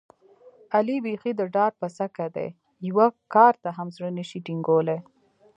علي بیخي د ډار پسکه دی، یوه کار ته هم زړه نشي ټینګولی.